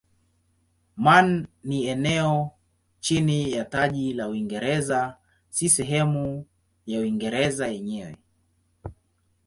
Man ni eneo chini ya taji la Uingereza si sehemu ya Uingereza yenyewe.